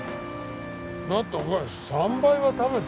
だってお前３倍は食べてるぞ。